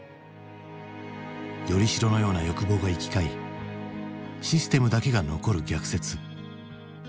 依り代のような欲望が行き交いシステムだけが残る逆説。